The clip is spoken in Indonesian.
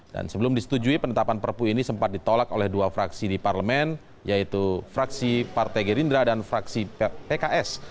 dan sebelum disetujui penetapan perpu ini sempat ditolak oleh dua fraksi di parlemen yaitu fraksi partai gerindra dan fraksi pks